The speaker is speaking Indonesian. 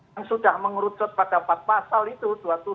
yang sudah mengerucut pada empat pasal itu